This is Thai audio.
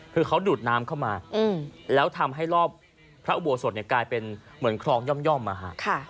คือเขาดูดน้ำเข้ามาแล้วทำให้รอบพระอุโบสถกลายเป็นเหมือนคลองย่อมนะฮะ